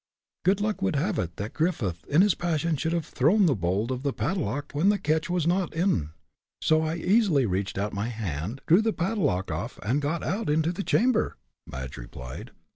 "Good luck would have it that Griffith, in his passion should have thrown the bolt of the padlock when the catch was not in, so I easily reached out my hand, drew the padlock off, and got out into the chamber," Madge replied.